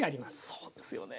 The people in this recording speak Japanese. そうですよね。